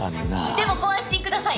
でもご安心ください！